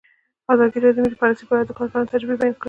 ازادي راډیو د مالي پالیسي په اړه د کارګرانو تجربې بیان کړي.